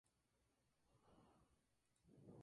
Se distribuye por el sur de Europa, Norte de África y Asia.